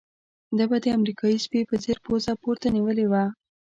ده به د امریکایي سپي په څېر پوزه پورته نيولې وه.